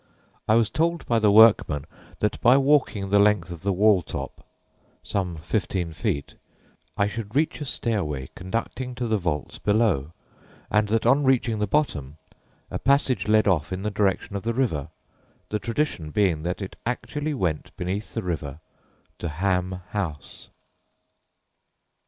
I was told by the workmen that by walking the length of the wall top (some fifteen feet) I should reach a stairway conducting to the vaults below, and that on reaching the bottom, a passage led off in the direction of the river, the tradition being that it actually went beneath the river to Ham House."